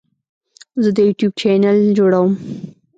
زه د یوټیوب چینل جوړوم.